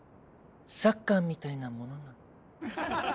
サッカーみたいなものなの。